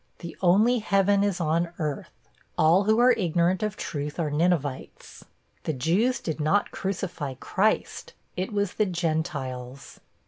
The only heaven is on earth. All who are ignorant of truth are Ninevites. The Jews did not crucify Christ it was the Gentiles.